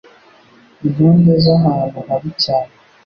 intonde z'ahantu habi cyane